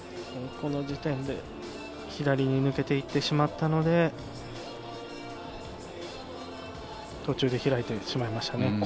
この時点で左に抜けていってしまったので、途中で開いてしまいましたね。